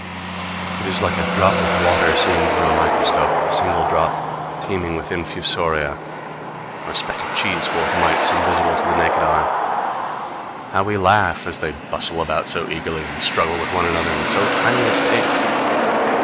It is like a drop of water seen through a microscope, a single drop teeming with infusoria; or a speck of cheese full of mites invisible to the naked eye. How we laugh as they bustle about so eagerly, and struggle with one another in so tiny a space!